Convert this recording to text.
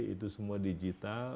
itu semua digital